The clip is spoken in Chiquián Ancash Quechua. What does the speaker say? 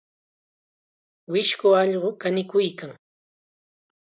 Wisku allqu kanikuykan.